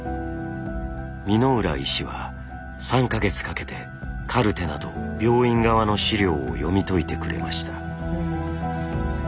箕浦医師は３か月かけてカルテなど病院側の資料を読み解いてくれました。